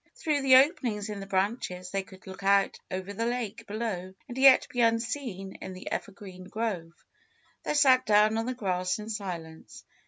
Through the openings in the branches they could look out over the lake below and yet be unseen in the evergreen grove. They sat down on the grass in silence.